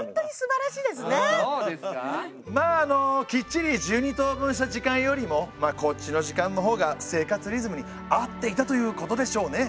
まああのきっちり１２等分した時間よりもこっちの時間のほうが生活リズムに合っていたということでしょうね。